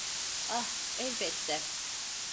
Ah, elbette.